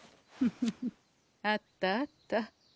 フフフあったあった。